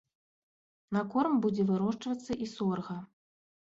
На корм будзе вырошчвацца і сорга.